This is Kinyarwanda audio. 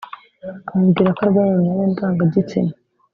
amubwira ko arwaye mu myanya ndangagitsina